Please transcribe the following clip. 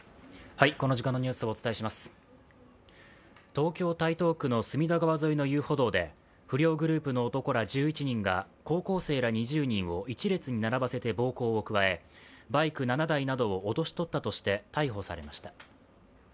東京・台東区の隅田川沿いの遊歩道で、不良グループの男ら１１人が高校生ら２０人を一列に並ばせて暴行を加えバイク７台などを脅し取ったとして逮捕されました。